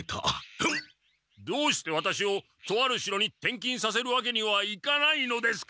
どうしてワタシをとある城に転勤させるわけにはいかないのですか？